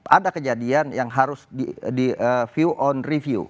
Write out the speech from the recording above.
ada kejadian yang harus di view on review